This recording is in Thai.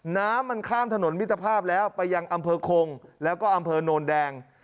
น้ำมันข้ามถนนมิตรภาพแล้วไปยังอำเภอคงแล้วก็อำเภอโนนแดง